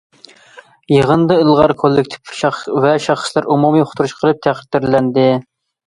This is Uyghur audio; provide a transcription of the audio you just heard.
يىغىندا ئىلغار كوللېكتىپ ۋە شەخسلەر ئومۇمىي ئۇقتۇرۇش قىلىپ تەقدىرلەندى.